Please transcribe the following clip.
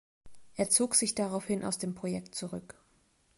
Er zog sich daraufhin aus dem Projekt zurück.